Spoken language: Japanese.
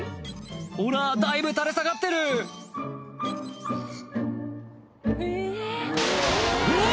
ほらだいぶ垂れ下がってるうわ！